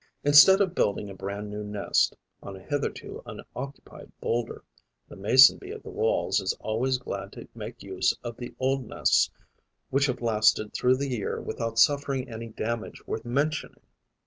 Instead of building a brand new nest, on a hitherto unoccupied boulder, the Mason bee of the Walls is always glad to make use of the old nests which have lasted through the year without suffering any damage worth mentioning.